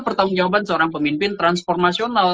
pertanggung jawaban seorang pemimpin transformasional